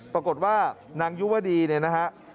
ปรากฏว่านางยุวดีเนี่ยนะฮะ